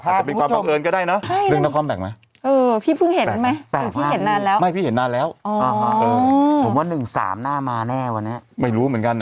พาผู้ชมให้มุชชมอาจเป็นครัวบังเบิญก็ได้นะ